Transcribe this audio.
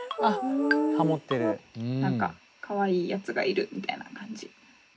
何かかわいいやつがいるみたいな感じ。